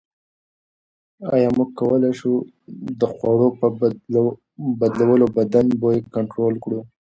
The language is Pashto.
ایا موږ کولای شو د خوړو په بدلولو بدن بوی کنټرول کړو؟